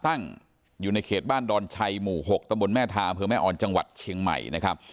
ตั้งอยู่ในเขตบ้านดอนชัยหมู่๖ตำบลแม่ทาอำเภอแม่อ่อนจังหวัดเชียงใหม่นะครับ